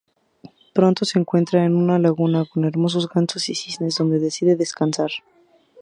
Pronto se encuentra en una laguna con hermosos gansos y cisnes donde decide descansar.